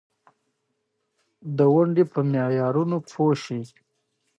د سترګو د عفونت لپاره د څه شي اوبه وکاروم؟